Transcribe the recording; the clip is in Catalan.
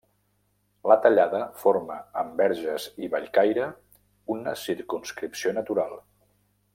La Tallada forma amb Verges i Bellcaire una circumscripció natural.